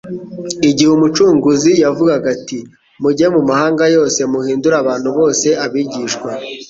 Igihe Umucunguzi yavugaga, ati: «Mujye mu mahanga yose muhindure abantu bose abigishwa,»